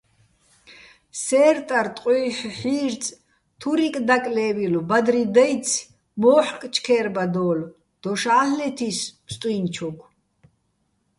სე́რტარ ტყუჲჰ̦ი̆ ჰ̦ი́რწი̆, თურიკ დაკლე́ვილო̆, ბადრი დაჲცი̆, მო́ჰ̦კ ჩქე́რბადოლო̆, დოშ ა́ლ'ლეთ ის ფსტუჲნჩოგო̆.